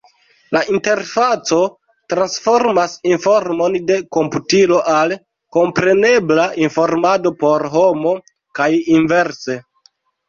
La interfaco transformas informon de komputilo al komprenebla informado por homo, kaj inverse.